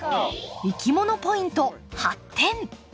いきものポイント８点！